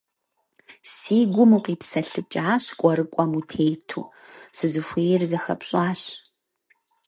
Си гум укъипсэлъыкӀащ кӀуэрыкӀуэм утету, сызыхуейр зыхэпщӀащ.